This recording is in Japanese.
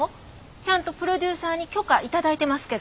ちゃんとプロデューサーに許可頂いてますけど。